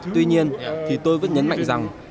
tuy nhiên thì tôi vẫn nhấn mạnh rằng